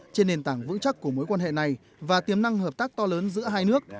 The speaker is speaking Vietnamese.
trên nền tảng vững chắc của mối quan hệ này và tiềm năng hợp tác to lớn giữa hai nước